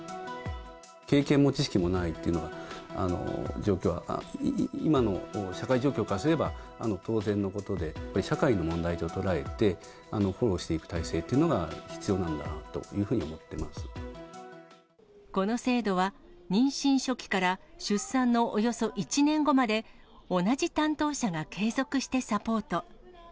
経験も知識もないっていう状況は、今の社会状況からすれば当然のことで、社会の問題と捉えて、フォローしていく体制というのが必要なんだなというふうに思ってこの制度は妊娠初期から出産のおよそ１年後まで、同じ担当者が継続してサポート。